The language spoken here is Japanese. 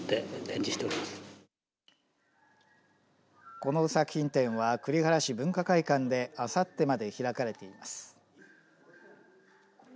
この作品展は栗原市文化会館であさってまで開かれています。